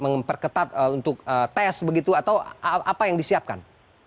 memperketat untuk tes begitu atau apa yang disiapkan